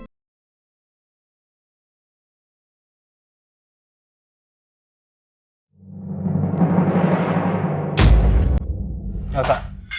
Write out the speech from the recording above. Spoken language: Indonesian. masuk sama kami nanti ya